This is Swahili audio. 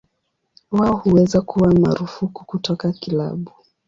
Wao huweza kuwa marufuku kutoka kilabu.